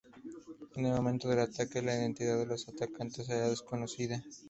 En el momento del ataque, la identidad de los atacantes era desconocida.